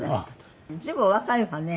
随分お若いわね。